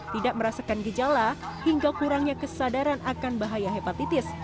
tidak merasakan gejala hingga kurangnya kesadaran akan bahaya hepatitis